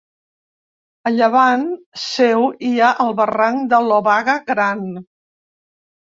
A llevant seu hi ha el barranc de l'Obaga Gran.